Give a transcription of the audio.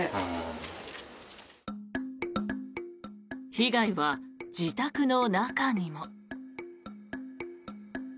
被害は自宅の中にも。